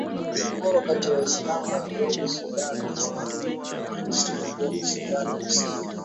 migogoro kati ya waislamu walioko sudan kaskazini na wachristo walioko sudan kusini